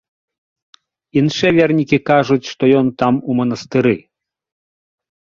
Іншыя вернікі кажуць, што ён там у манастыры.